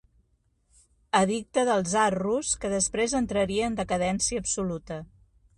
Edicte del tsar rus que després entraria en decadència absoluta.